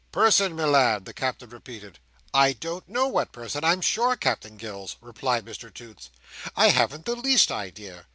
"Person, my lad" the Captain repeated. "I don't know what person, I'm sure, Captain Gills," replied Mr Toots, "I haven't the least idea.